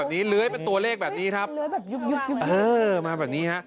นี่อะไรอ่ะ๘หรอ